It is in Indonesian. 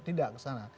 tidak seperti itu